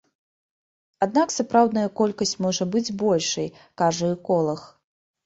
Аднак сапраўдная колькасць можа быць большай, кажа эколаг.